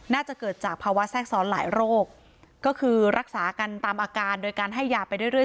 น่าจะเกิดจากภาวะแทรกซ้อนหลายโรคก็คือรักษากันตามอาการโดยการให้ยาไปเรื่อย